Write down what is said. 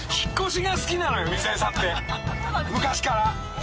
昔から。